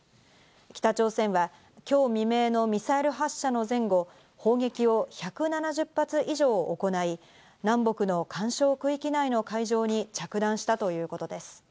北朝鮮は今日未明のミサイル発射の前後、砲撃を１７０発以上行い、南北の緩衝区域内の海上に着弾したということです。